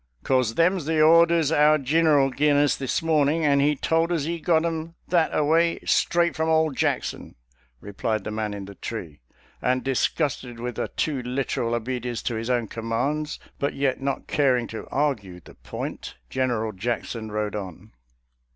"" 'Cause them's the orders our Gineral gin us, this mornin', an' he tole us he got 'em that er way, straight from ole Jackson,'.' replied the man in the tree, and disgusted with a too literal obedience to his own commands, but yet not car ing to argue the point. General Jackson rode on.